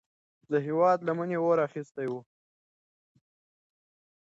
د هیواد لمنې اور اخیستی و.